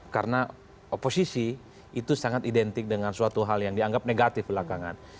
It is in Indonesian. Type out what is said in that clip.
karena oposisi itu sangat identik dengan suatu hal yang dianggap negatif belakangnya